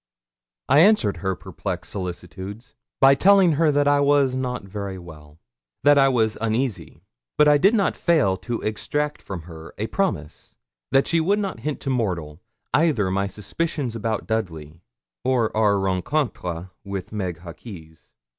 I answered her perplexed solicitudes by telling her that I was not very well that I was uneasy; but I did not fail to extract from her a promise that she would not hint to mortal, either my suspicions about Dudley, or our rencontre with Meg Hawkes.